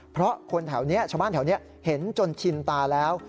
เพราะคนแถวนี้ชาวบ้านแถวนี้เห็นจนชินตาแล้ว